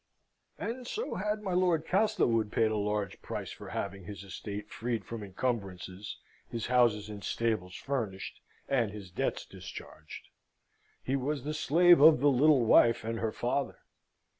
And so had my Lord Castlewood paid a large price for having his estate freed from incumbrances, his houses and stables furnished, and his debts discharged. He was the slave of the little wife and her father.